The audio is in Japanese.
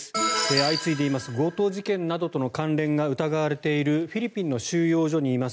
相次いでいます強盗事件などとの関連が疑われているフィリピンの収容所にいます